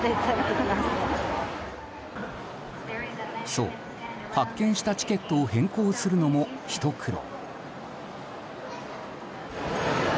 そう、発券したチケットを変更するのも、ひと苦労。